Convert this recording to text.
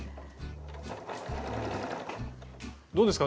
どうですか？